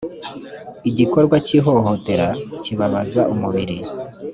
igikorwa cy ihohotera kibabaza umubiri